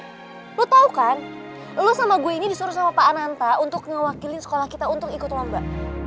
kamu tahu kan kamu dan saya ini disuruh oleh pak ananta untuk mewakili sekolah kita untuk ikut lomba